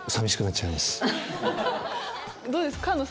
どうですか？